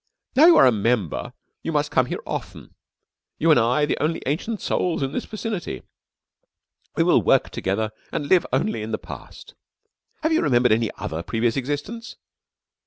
"Now you are a member you must come here often ... you and I, the only Ancient Souls in this vicinity ... we will work together and live only in the Past.... Have you remembered any other previous existence?...